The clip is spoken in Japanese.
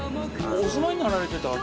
お住まいになられてた？